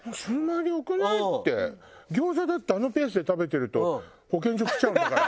「餃子だってあのペースで食べてると保健所来ちゃうんだから」